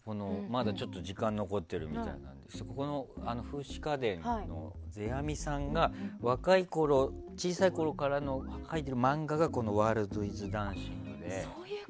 まだちょっと時間が残ってるみたいなのでこの「風姿花伝」の世阿弥さんが若いころ、小さいころから描いている漫画が「ワールドイズダンシング」。